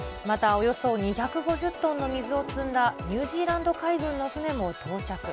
またおよそ２５０トンの水を積んだニュージーランド海軍の船も到着。